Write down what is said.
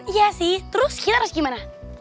iya sih terus kita harus gimana